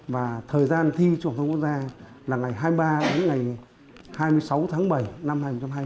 và thời gian thi trường hợp quốc gia là ngày hai mươi ba đến ngày hai mươi sáu tháng bảy năm hai nghìn hai mươi